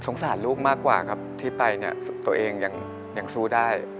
สารลูกมากกว่าครับที่ไปเนี่ยตัวเองยังสู้ได้